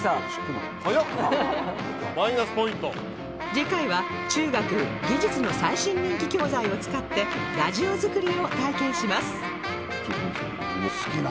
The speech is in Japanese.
次回は中学「技術」の最新人気教材を使ってラジオ作りを体験します